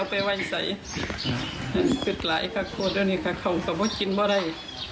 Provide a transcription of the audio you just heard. ฆ่าฆ่าฆ่านำขนาดนี้เคินก็ไม่ได้